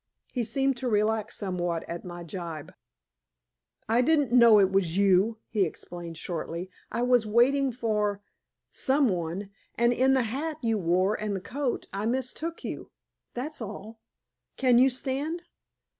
He seemed to relax somewhat at my gibe. "I didn't know it was you," he explained shortly. "I was waiting for some one, and in the hat you wore and the coat, I mistook you. That's all. Can you stand?"